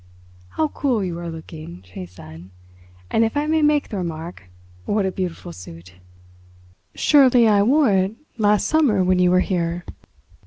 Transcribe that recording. "How cool you are looking," she said; "and if I may make the remark—what a beautiful suit!" "Surely I wore it last summer when you were here?